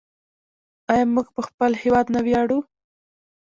آیا موږ په خپل هیواد نه ویاړو؟